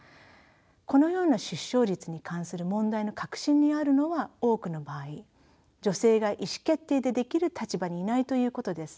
このような出生率に関する問題の核心にあるのは多くの場合女性が意思決定できる立場にいないということです。